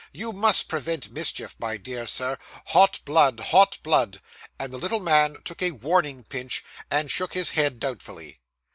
You must prevent mischief, my dear Sir. Hot blood, hot blood.' And the little man took a warning pinch, and shook his head doubtfully.